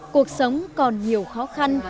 cuộc sống còn nhiều khó khăn